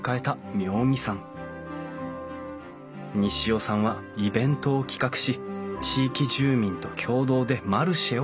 西尾さんはイベントを企画し地域住民と共同でマルシェを開催。